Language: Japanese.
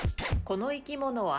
この生き物は？